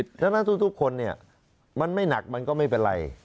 ทุกคนเนี่ยมันไม่หนักมันก็ไม่เป็นไร